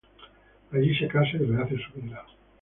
Allí se casa y rehace su vida.